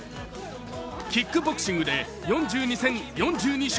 キックボクシングで４２戦４２勝。